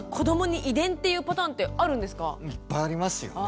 いっぱいありますよね。